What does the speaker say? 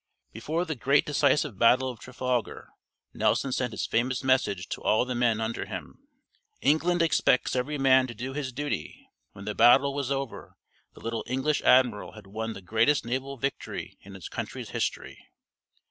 Before the great decisive battle of Trafalgar Nelson sent his famous message to all the men under him: "England expects every man to do his duty!" When the battle was over, the little English admiral had won the greatest naval victory in his country's history.